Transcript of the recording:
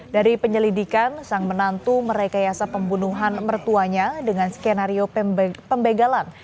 dari penyelidikan sang menantu merekayasa pembunuhan mertuanya dengan skenario pembegalan